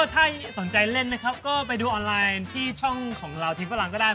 ถ้าสนใจเล่นนะครับก็ไปดูออนไลน์ที่ช่องของเราทีมฝรั่งก็ได้